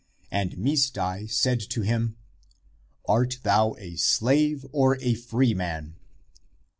And Misdai said to him, "Art thou a slave or a freeman?"